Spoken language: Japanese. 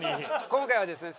今回はですね